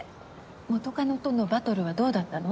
元カノとのバトルはどうだったの？